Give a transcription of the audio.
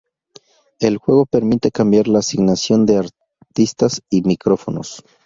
El juego permite cambiar la asignación de artistas y micrófonos.